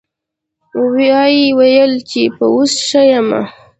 ويې ويل چې يه اوس ښه يمه.